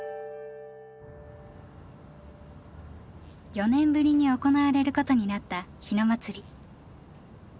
４年ぶりに行われることになった日野祭。